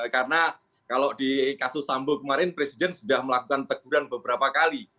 karena kalau di kasus sambo kemarin presiden sudah melakukan teguran beberapa kali